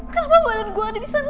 kenapa badan gue ada disana